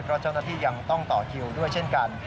เพราะเจ้าหน้าที่ยังต้องต่อคิวด้วยเช่นกัน